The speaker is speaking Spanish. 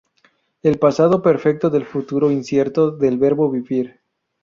El pasado perfecto del futuro incierto del verbo vivir